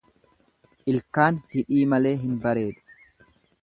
Ilkaan hidhii malee hin bareedu.